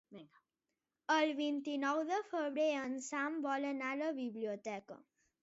El vint-i-nou de febrer en Sam vol anar a la biblioteca.